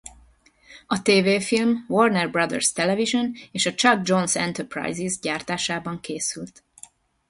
A tévéfilm Warner Bros. Television és a Chuck Jones Enterprises gyártásában készült.